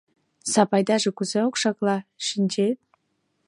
Сапайдаже кузе окшакла, шинчет.